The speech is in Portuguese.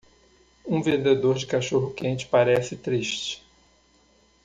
Um vendedor de cachorro-quente parece triste